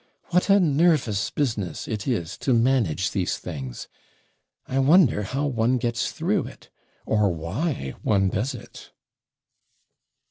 What a NERVOUS BUSINESS it is to manage these things! I wonder how one gets through it, or WHY one does it!'